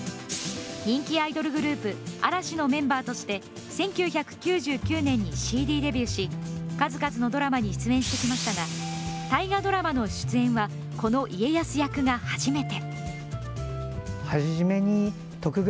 人気アイドルグループ、嵐のメンバーとして１９９９年にＣＤデビューし数々のドラマに出演してきましたが大河ドラマの出演はこの家康役が初めて。